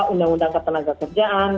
undang undang ketenaga kerjaan